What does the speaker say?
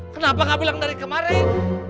kenapa gak bilang dari kemarin